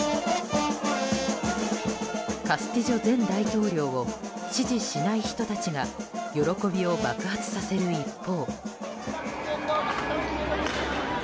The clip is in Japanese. カスティジョ氏を支持しない人たちが喜びを爆発させる一方。